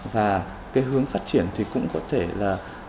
và cái hướng phát triển thì cũng có thể là